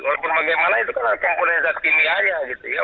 walaupun bagaimana itu kan langsung punya zat kimia aja gitu ya